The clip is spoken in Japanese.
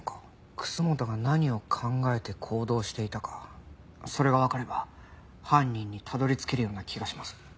楠本が何を考えて行動していたかそれがわかれば犯人にたどり着けるような気がします。